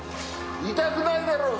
痛くないだろう。